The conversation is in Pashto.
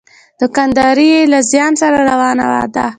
دوکانداري یې له زیان سره روانه ده.